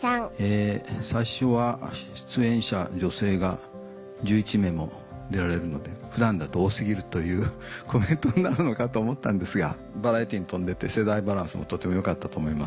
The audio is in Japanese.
最初は出演者女性が１１名も出られるので普段だと多過ぎるというコメントになるのかと思ったんですがバラエティーに富んでて世代バランスもとてもよかったと思います。